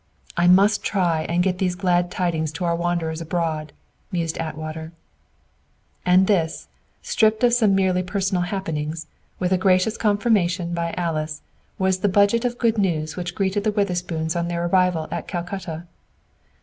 "I must try and get these glad tidings to our wanderers abroad," mused Atwater. And this, stripped of some merely personal happenings, with a gracious confirmation by Alice, was the budget of good news which greeted the Witherspoons on their arrival at Calcutta.